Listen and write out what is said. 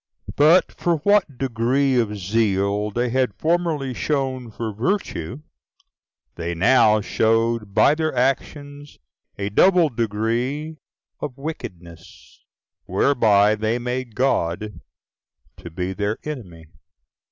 But for what degree of zeal they had formerly shown for virtue, they now showed by their actions a double degree of wickedness, whereby they made God to be their enemy.